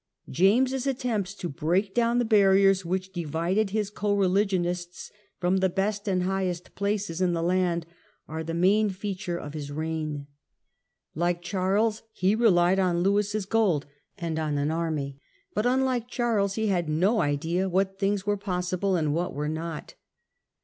James's attempts to break down the barriers which divided his co religionists from the best and highest places in the land are the main feature of his reign. Like Charles, he relied on Louis' gold and on an army; but, unlike Charles, he had no idea what things were possible and what were not.